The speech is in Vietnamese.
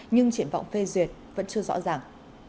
nhưng triển vọng phê duyệt vẫn chưa rõ ràng